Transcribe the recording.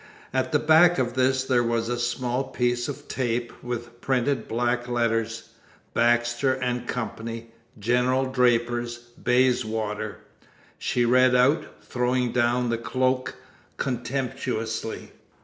At the back of this there was a small piece of tape with printed black letters. "Baxter & Co., General Drapers, Bayswater," she read out, throwing down the cloak contemptuously.